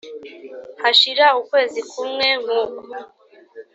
hashira ukwezi kumwe nkuko